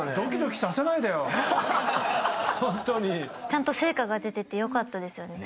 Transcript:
ちゃんと成果が出ててよかったですよね。